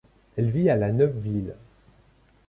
Elle vit à La Neuveville.